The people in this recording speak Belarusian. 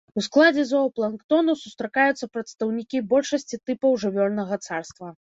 У складзе зоапланктону сустракаюцца прадстаўнікі большасці тыпаў жывёльнага царства.